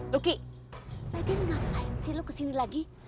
luki metin ngapain sih lo kesini lagi